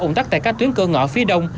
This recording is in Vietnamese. ủng tắc tại các tuyến cơ ngõ phía đông